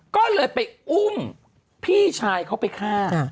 ก็เลยไปอุ้มพี่ชายเขาไปฆ่า